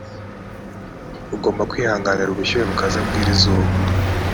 ugomba kwihanganira ubushyuhe bukaze bwiri zuba